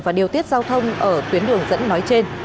và điều tiết giao thông ở tuyến đường dẫn nói trên